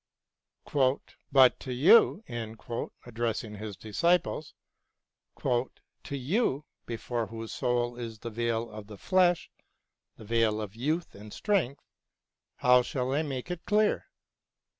" But to you," addressing his disciples, " to you, before whose soul is the veil of the nesh, the veil of youth and strength, how shall I make it clear